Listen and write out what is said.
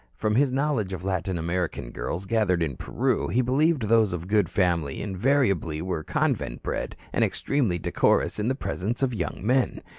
From his knowledge of Latin American girls gathered in Peru, he believed those of good family invariably were convent bred and extremely decorous in the presence of young men.